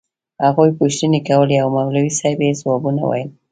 هغوى پوښتنې کولې او مولوي صاحب يې ځوابونه ويل.